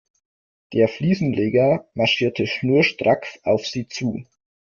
Der Fliesenleger marschierte schnurstracks auf sie zu.